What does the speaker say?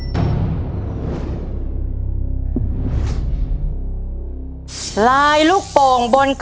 ใช่นักร้องบ้านนอก